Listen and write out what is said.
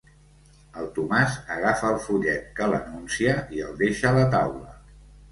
El Tomàs agafa el fullet que l'anuncia i el deixa a la taula.